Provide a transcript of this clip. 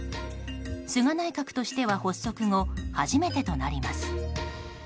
菅内閣としては発足後初めてとなります。